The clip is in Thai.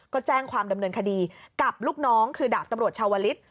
ก็แจ้งความดำเนินคดีกับลูกน้องคือดาบตำรวจชาวลิศ